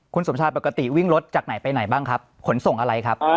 คุณสมชายปกติวิ่งรถจากไหนไปไหนบ้างครับขนส่งอะไรครับ